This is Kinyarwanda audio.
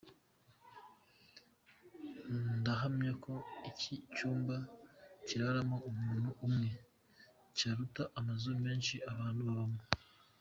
Ndahamya ko iki cyumba kiraramo umuntu umwe, cyaruta amazu menshi abantu babamo.